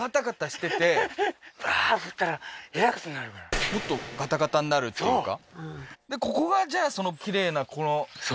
へえーもっとガタガタになるっていうか？